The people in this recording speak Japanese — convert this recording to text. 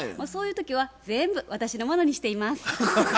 そういう時は全部私のものにしています。